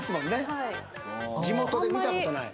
はい地元で見たことない？